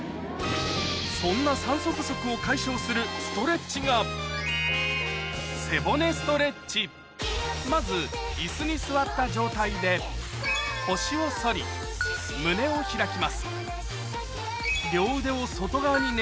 そんな酸素不足を解消するストレッチがまず椅子に座った状態で痛い。